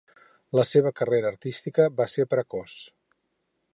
La seva carrera artística va ser precoç.